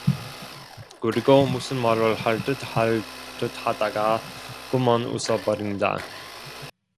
그리고 무슨 말을 할 듯 할 듯하다가 그만 웃어 버린다.